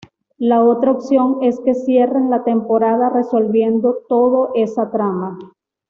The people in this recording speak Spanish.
La otra opción es que cierren la temporada resolviendo toda esa trama.